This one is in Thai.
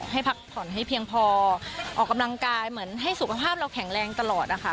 ให้พักผ่อนให้เพียงพอออกกำลังกายเหมือนให้สุขภาพเราแข็งแรงตลอดนะคะ